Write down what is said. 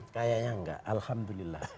kayaknya enggak alhamdulillah